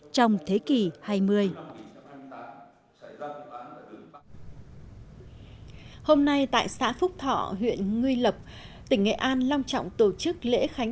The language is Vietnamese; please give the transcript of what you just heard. trong thế kỷ hai mươi hôm nay tại xã phúc thọ huyện ngư lập tỉnh nghệ an long trọng tổ chức lễ khánh